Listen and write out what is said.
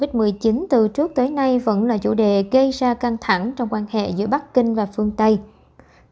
và kêu gọi trung quốc cung cấp dữ liệu thô để trợ giúp trong các cuộc điều tra mới